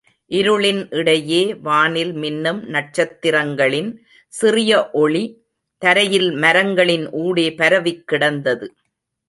இருளின் இடையே வானில் மின்னும் நட்சத்திரங்களின் சிறிய ஒளி, தரையில் மரங்களின் ஊடே பரவிக்கிடந்தது.